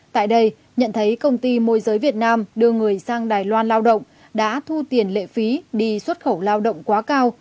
tại đây nhận thấy công ty môi giới việt nam đưa người sang đài loan lao động đã thu tiền lệ phí đi xuất khẩu lao động quá cao